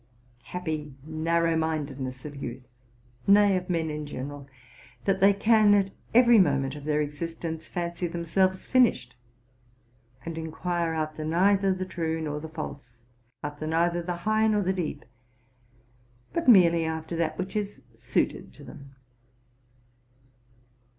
Happy narrow mindedness of youth !—nay, of men in general, that they can, at every moment of their existence, fancy them selves finished, and inquire after neither the true nor the false, after neither the high nor the deep, but merely after that which is suited to them.